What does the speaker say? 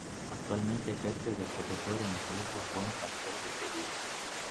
Actualmente, ejerce de profesor en el colegio Buen Pastor de Sevilla.